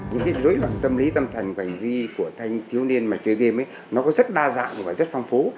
những dối loạn tâm lý tâm thần bệnh vi của thanh thiếu niên mà chơi game nó có rất đa dạng và rất phong phú